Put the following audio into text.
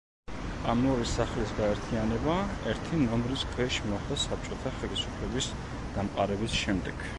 ამ ორი სახლის გაერთიანება ერთი ნომრის ქვეშ მოხდა საბჭოთა ხელისუფლების დამყარების შემდეგ.